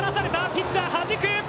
ピッチャーはじく。